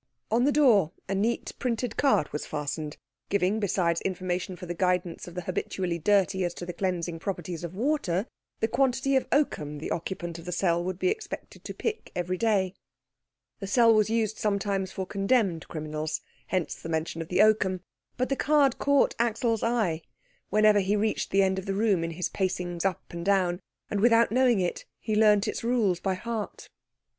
On the door a neat printed card was fastened, giving, besides information for the guidance of the habitually dirty as to the cleansing properties of water, the quantity of oakum the occupant of the cell would be expected to pick every day. The cell was used sometimes for condemned criminals, hence the mention of the oakum; but the card caught Axel's eye whenever he reached that end of the room in his pacings up and down, and without knowing it he learnt its rules by heart.